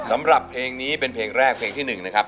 สำหรับเพลงนี้เป็นเพลงแรกเพลงที่๑นะครับ